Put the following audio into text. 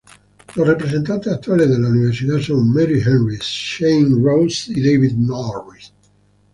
Los representantes actuales de la Universidad son Mary Henry, Shane Ross y David Norris.